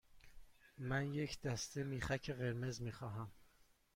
من یک دسته میخک قرمز می خواهم.